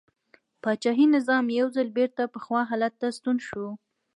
پاچاهي نظام یو ځل بېرته پخوا حالت ته ستون شو.